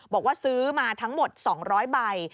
บอกว่าซื้อมาทั้งหมด๒๐๐ใบ